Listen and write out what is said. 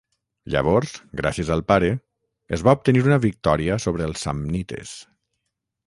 Llavors, gràcies al pare, es va obtenir una victòria sobre els samnites.